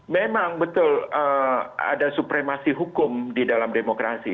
memang betul ada supremasi hukum di dalam demokrasi